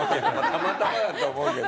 たまたまだと思うけど。